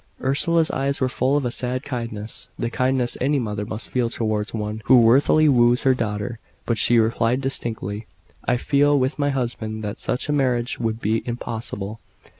Ursula's eyes were full of a sad kindness the kindness any mother must feel towards one who worthily woos her daughter but she replied distinctly "I feel, with my husband, that such a marriage would be impossible."